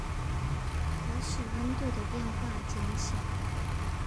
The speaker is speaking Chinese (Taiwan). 可使溫度的變化減小